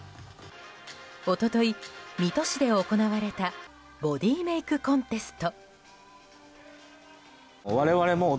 一昨日、水戸市で行われたボディーメイクコンテスト。